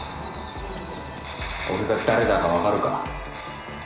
「俺が誰だかわかるか？」